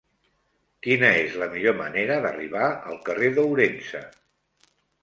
Quina és la millor manera d'arribar al carrer d'Ourense?